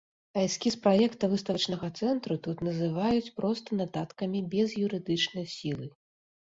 А эскіз праекта выставачнага цэнтру тут называюць проста нататкамі без юрыдычнай сілы.